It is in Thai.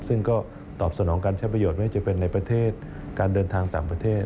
ซึ่งก็ตอบสนองการใช้ประโยชน์ไม่ว่าจะเป็นในประเทศการเดินทางต่างประเทศ